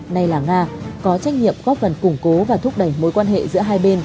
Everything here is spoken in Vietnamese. nay là nga có trách nhiệm góp phần củng cố và thúc đẩy mối quan hệ giữa hai bên